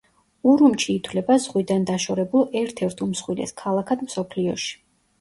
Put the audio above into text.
ურუმჩი ითვლება ზღვიდან დაშორებულ ერთ-ერთ უმსხვილეს ქალაქად მსოფლიოში.